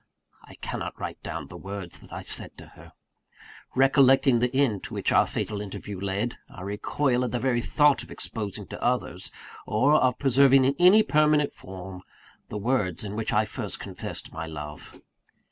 I cannot write down the words that I said to her. Recollecting the end to which our fatal interview led, I recoil at the very thought of exposing to others, or of preserving in any permanent form, the words in which I first confessed my love.